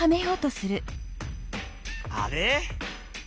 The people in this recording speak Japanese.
あれ？